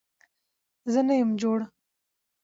زه نه يم جوړ